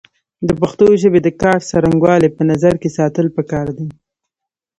د پښتو ژبې د کار څرنګوالی په نظر کې ساتل پکار دی